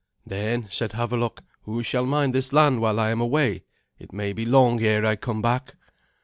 "Then," said Havelok, "who shall mind this land while I am away? It may be long ere I come back."